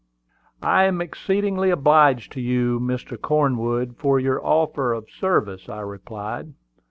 "I am exceedingly obliged to you, Mr. Cornwood, for your offer of service," I replied.